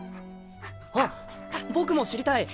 あっ僕も知りたい！